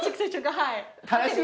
はい。